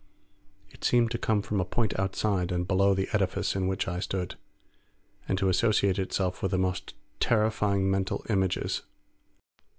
It seemed to come from a point outside and below the edifice in which I stood, and to associate itself with the most terrifying mental images.